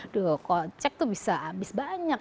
aduh kocek tuh bisa habis banyak